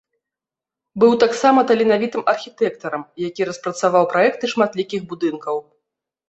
Быў таксама таленавітым архітэктарам, які распрацаваў праекты шматлікіх будынкаў.